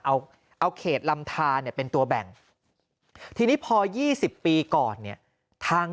เอาเอาเขตลำทาเนี่ยเป็นตัวแบ่งทีนี้พอ๒๐ปีก่อนเนี่ยทาง